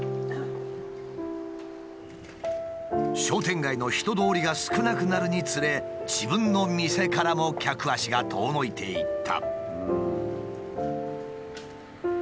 商店街の人通りが少なくなるにつれ自分の店からも客足が遠のいていった。